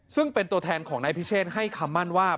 ซึ่งเป็นตัวแทนของนายพิเชษให้คำมั่นว่า